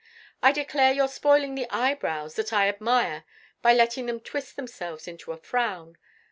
I declare you're spoiling the eyebrows that I admire by letting them twist themselves into a frown!